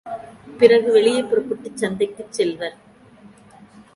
பிறகு வெளியே புறப்பட்டுச் சந்தைக்குச் செல்வர்.